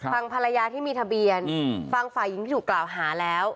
ฟังภรรยาที่มีทะเบียนฟังฝ่ายหญิงที่ถูกกล่าวหาแล้ว